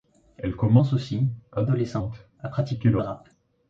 Elle commence aussi, adolescente, à pratiquer le rap.